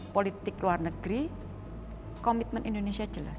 politik luar negeri komitmen indonesia jelas